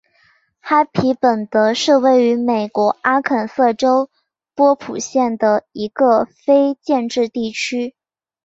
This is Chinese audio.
哈皮本德是位于美国阿肯色州波普县的一个非建制地区。